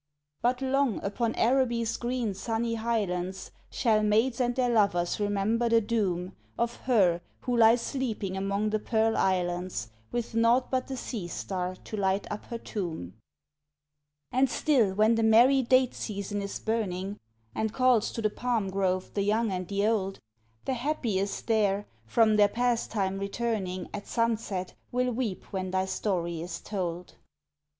But long, upon Araby's green sunny highlands, Shall maids and their lovers remember the doom Of her who lies sleeping among the Pearl Islands, With naught but the sea star to light up her tomb. And still, when the merry date season is burning, And calls to the palm grove the young and the old, The happiest there, from their pastime returning At sunset, will weep when thy story is told.